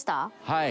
はい。